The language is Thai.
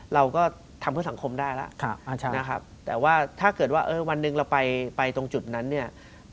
เราก็ทำเพื่อสังคมได้แล้วนะครับแต่ว่าถ้าเกิดว่าวันหนึ่งเราไปตรงจุดนั้นเนี่ย